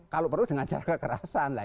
kalau perlu dengan cara kekerasan